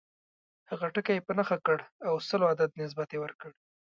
هغه ټکی یې په نښه کړ او سلو عدد یې نسبت ورکړ.